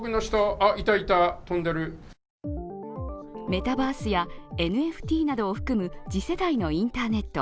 メタバースやＮＦＴなどを含む次世代のインターネットＷｅｂ３．０。